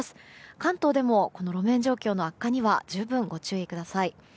関東でも路面状況の悪化には十分ご注意ください。